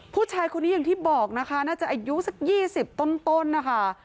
ผู้ชายคนนี้อย่างที่บอกนะคะน่าจะอายุสัก๒๐ต้นนะคะ